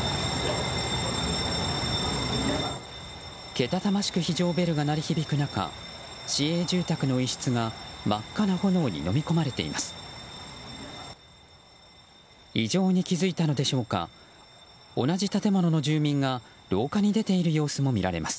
けたたましく非常ベルが鳴り響く中市営住宅の一室が真っ赤な炎にのみ込まれています。